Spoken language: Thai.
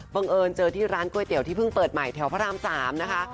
เอิญเจอที่ร้านก๋วยเตี๋ยที่เพิ่งเปิดใหม่แถวพระราม๓นะคะ